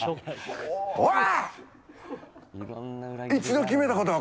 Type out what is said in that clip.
おい！